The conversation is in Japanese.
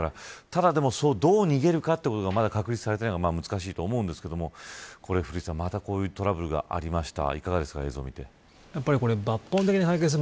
ただ、どう逃げるかがまだ確立されないのが難しいと思うんですが古市さん、またこういうトラブルがありました。